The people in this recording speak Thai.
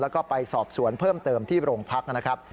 แล้วก็ไปสอบสวนเพิ่มเติมที่โรงพักนะครับ